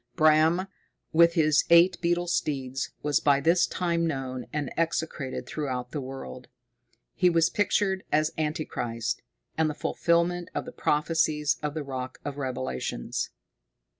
Bram, with his eight beetle steeds, was by this time known and execrated throughout the world. He was pictured as Anti Christ, and the fulfilment of the prophecies of the Rock of Revelations.